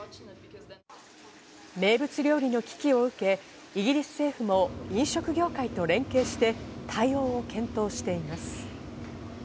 名物料理の危機を受け、イギリス政府も飲食業界と連携して、対応を検討しています。